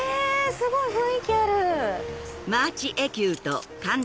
すごい雰囲気ある。